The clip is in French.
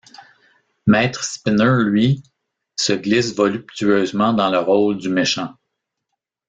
Maître Szpiner lui, se glisse voluptueusement dans le rôle du méchant.